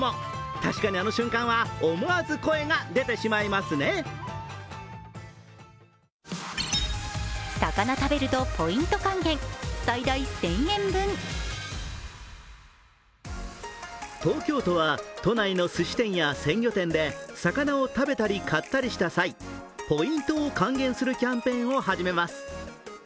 確かにあの瞬間は思わず声が出てしまいますね東京都は都内のすし店や鮮魚店で魚を食べたり、買ったりした際、ポイントを還元するキャンペーンを始めます。